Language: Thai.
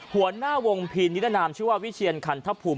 หัวหน้าวงพีนิดนามชื่อว่าวิเชียร์คันทัพพูม